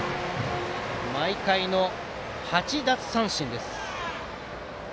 毎回の８奪三振です。